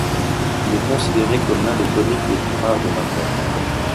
Il est considéré comme l'un des comics les plus rares de Marvel.